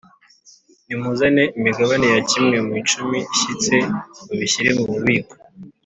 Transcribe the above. Nimuzane imigabane ya kimwe mu icumi ishyitse mubishyire mu bubiko